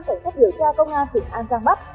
tẩy sát điều tra công an tỉnh an giang bắc